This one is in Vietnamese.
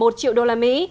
chín một triệu đô la mỹ